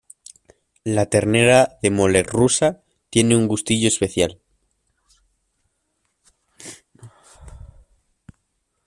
La ternera de Mollerussa tiene un gustito especial.